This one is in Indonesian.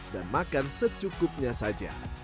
dan makan secukupnya saja